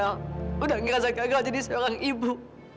mama udah ngerasa gagal jadi seorang ibu